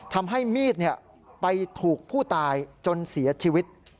ทำให้มีดไปถูกผู้ตายจนเสียชีวิต